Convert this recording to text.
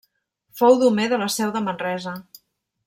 Fou domer de la seu de Manresa.